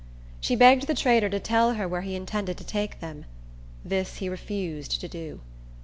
She begged the trader to tell her where he intended to take them; this he refused to do.